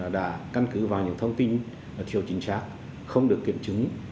đã căn cứ vào những thông tin thiếu chính xác không được kiểm chứng